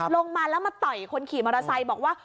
ลงมาแล้วมาต่อยคนขี่มอเตอร์ไซค์บอกว่า